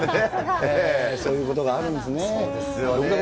そういうことがあるんですね。